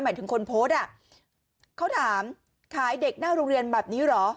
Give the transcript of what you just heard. หมายถึงคนโพสต์อ่ะเขาถามขายเด็กหน้าโรงเรียนแบบนี้เหรอ